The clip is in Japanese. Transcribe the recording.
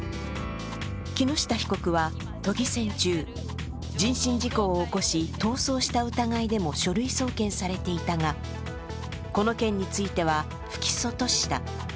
木下被告は都議選中、人身事故を起こし逃走した疑いでも書類送検されていたが、この件については不起訴とした。